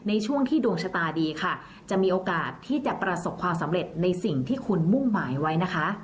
ในช่วงที่ดวงชะตาดีค่ะจะมีโอกาสที่จะประสบความสำเร็จในสิ่งที่คุณมุ่งหมายไว้นะคะ